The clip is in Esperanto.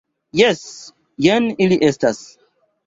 Jes; jen ili estas.